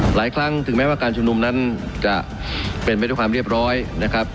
หลายครั้งถึงแม้ว่าการชุมนุมนั้นจะเป็นไปด้วยความเรียบร้อยนะครับ